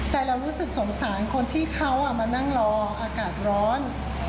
แต่เรารู้สึกสงสารคนที่เขามานั่งรออากาศร้อน